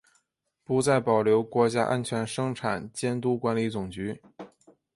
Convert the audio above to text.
不再保留国家安全生产监督管理总局。